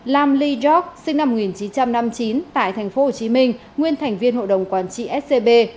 lam ly joc sinh năm một nghìn chín trăm năm mươi chín tại tp hcm nguyên thành viên hội đồng quản trị scb